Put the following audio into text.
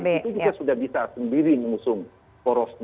yang ketiga sudah terbentuk pdi perjuangan pan dan pkb